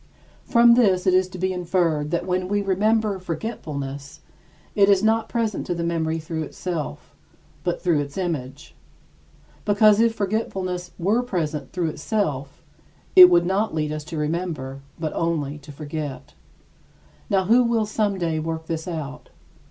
From this it is to be inferred that when we remember forgetfulness, it is not present to the memory through itself, but through its image; because if forgetfulness were present through itself, it would not lead us to remember, but only to forget. Now who will someday work this out?